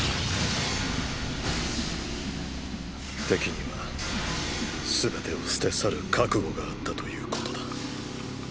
敵には全てを捨て去る覚悟があったということだ。